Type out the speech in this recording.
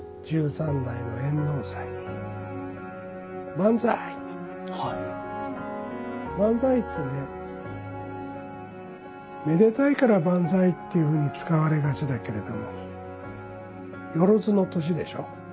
万歳ってねめでたいから万歳っていうふうに使われがちだけれども万の歳でしょう？